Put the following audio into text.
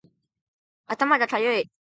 頭がかゆい